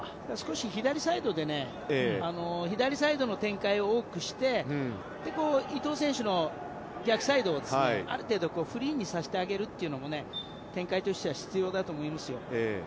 少し左サイドの展開を多くして伊東選手の逆サイドをある程度フリーにさせてあげるのも展開としては必要だと思います。